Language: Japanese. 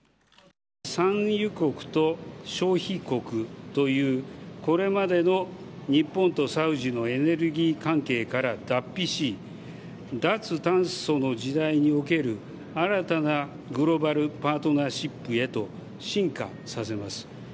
産油国と消費国という、これまでの日本とサウジのエネルギー関係から脱皮し、脱炭素の時代における、新たなグローバルパートナーシップへと進化させます。